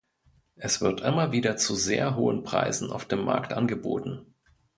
Es wird immer wieder zu sehr hohen Preisen auf dem Markt angeboten.